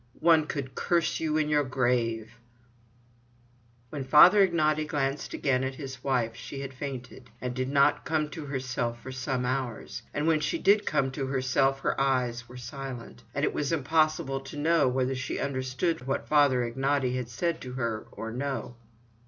One could curse you in your grave——" When Father Ignaty glanced again at his wife, she had fainted, and did not come to herself for some hours. And when she did come to herself her eyes were silent, and it was impossible to know whether she understood what Father Ignaty had said to her, or no.